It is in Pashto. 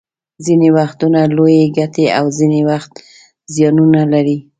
ځینې وختونه لویې ګټې او ځینې وخت زیانونه لري